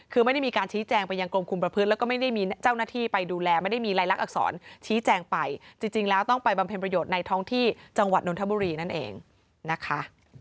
คือไม่ได้มีการชี้แจงไปยังกรมคุมประพฤติแล้วก็ไม่ได้มีเจ้าหน้าที่ไปดูแลไม่ได้มีลายลักษณอักษรชี้แจงไปจริงแล้วต้องไปบำเพ็ญประโยชน์ในท้องที่จังหวัดนทบุรีนั่นเองนะคะ